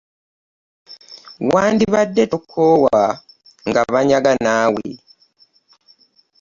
Wandibadde tokoowa nga banyaga naawe.